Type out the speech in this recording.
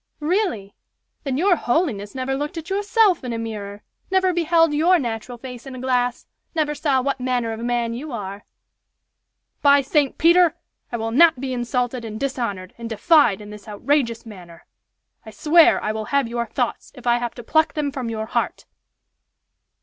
"Really? Then your holiness never looked at yourself in a mirror! never beheld 'your natural face in a glass!' never saw 'what manner of man' you are." "By St. Peter! I will not be insulted, and dishonored, and defied in this outrageous manner. I swear I will have your thoughts, if I have to pluck them from your heart."